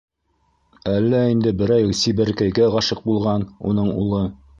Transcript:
Әллә инде берәй сибәркәйгә ғашиҡ булған уның улы?